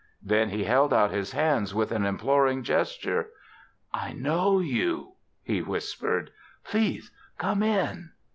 Then he held out his hands with an imploring gesture. "I know you," he whispered. "Please come in."